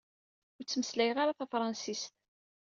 Ur ttmeslayeɣ ara tafransist.